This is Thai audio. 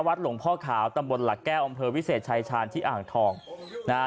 หลวงพ่อขาวตำบลหลักแก้วอำเภอวิเศษชายชาญที่อ่างทองนะฮะ